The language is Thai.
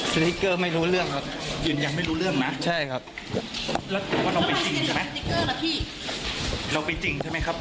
สติ๊กเกอร์ไม่รู้เรื่องครับยืนยังไม่รู้เรื่องไหมแล้วถึงว่าเราไปจริงใช่ไหมเราไปจริงใช่ไหมครับ